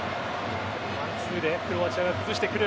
ワンツーでクロアチアが崩してくる。